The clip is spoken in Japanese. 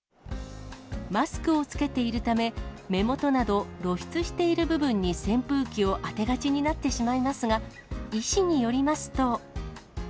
マスクを着けているため、目元など露出している部分に扇風機を当てがちになってしまいますが、医師によりますと。